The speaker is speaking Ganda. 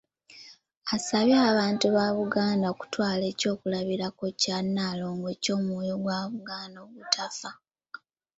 Asabye abantu ba Buganda okutwala eky’okulabirako kya Nalongo eky’omwoyo gwa Buganda ogutafa.